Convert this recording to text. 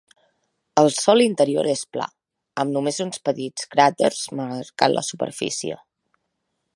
El sòl interior és pla, amb només uns petits cràters marcant la superfície.